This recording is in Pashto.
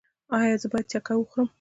ایا زه باید چکه وخورم؟